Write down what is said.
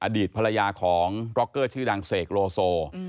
อดีตภรรยาของร็อกเกอร์ชื่อดังเสกโลโซ